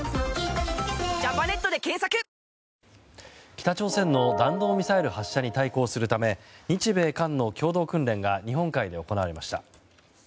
北朝鮮の弾道ミサイル発射に対抗するため日米韓の共同訓練が日本海で行われました。